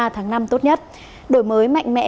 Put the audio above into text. tháng năm tốt nhất đổi mới mạnh mẽ